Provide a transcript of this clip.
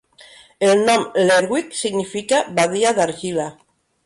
El nom "Lerwick" significa "badia d'argila".